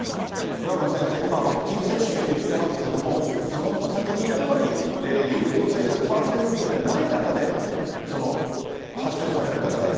倉持先生、今ワクチン接種と言ってますけれども、その先にやっぱり有効性１００％でない中で、発症される方がいる。